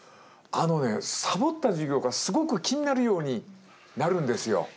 あのねサボった授業がすごく気になるようになるんですよ。